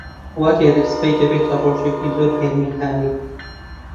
وا دیارە سبەی دەبێتە ڕۆژێکی زۆر گەرمی هاوین.